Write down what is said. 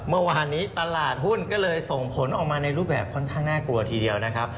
เมื่อวานนี้ตลาดหุ้นก็เลยส่งผลออกมาในรูปแบบค่อนข้างน่ากลัวทีเดียวนะครับ